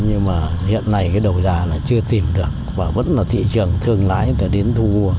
nhưng mà hiện nay cái đầu gia là chưa tìm được và vẫn là thị trường thương lái tới đến thu vua